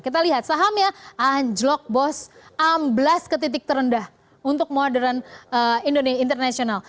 kita lihat sahamnya anjlokbos amblas ke titik terendah untuk modern indonesia internasional